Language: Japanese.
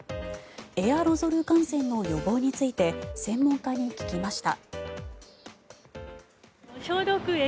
エアロゾル感染の予防について専門家に聞きました。